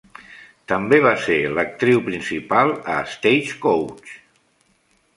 També va ser l'actriu principal a "Stagecoach".